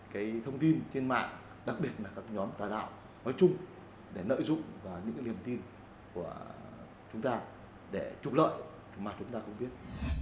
cái thông tin trên mạng đặc biệt là các nhóm tà đạo nói chung để nợ dụng vào những niềm tin của chúng ta để trục lợi mà chúng ta cũng biết